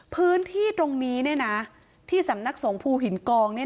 พื้นที่ตรงนี้ที่สำนักสงภูหินกอง